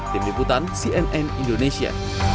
tim liputan cnn indonesia